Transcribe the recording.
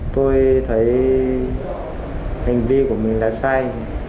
tôi thấy hành vi của mình là sai